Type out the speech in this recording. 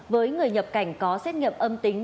với người nhập cảnh có xét nghiệm âm tính